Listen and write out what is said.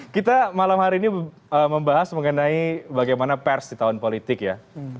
kita malam hari ini membahas mengenai bagaimana pers di tahun politik ya